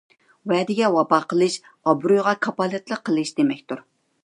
ۋەدىگە ۋاپا قىلىش — ئابرۇيغا كاپالەتلىك قىلىش دېمەكتۇر.